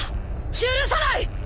許さない！